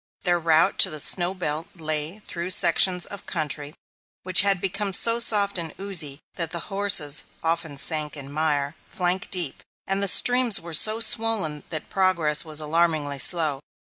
Their route to the snow belt lay through sections of country which had become so soft and oozy that the horses often sank in mire, flank deep; and the streams were so swollen that progress was alarmingly slow.